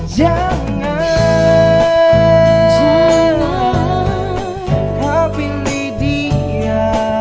jangan kau pilih dia